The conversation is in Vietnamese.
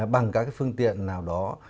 bằng các phương tiện nào đó